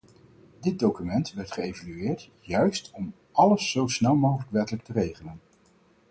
Dit document werd geëvalueerd, juist om alles zo snel mogelijk wettelijk te regelen.